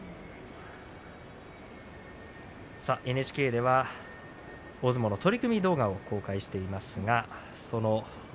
ＮＨＫでは大相撲の取組動画を公開しています。